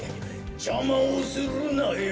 「じゃまをするなよ